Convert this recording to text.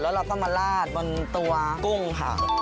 แล้วเราก็มาลาดบนตัวกุ้งค่ะ